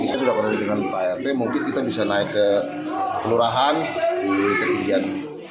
kita sudah koordinasi dengan prt mungkin kita bisa naik ke pelurahan kemudian